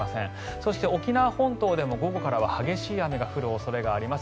そして沖縄本島でも午後から激しい雨が降る可能性があります。